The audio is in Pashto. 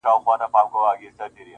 شاعر نه یم زما احساس شاعرانه دی-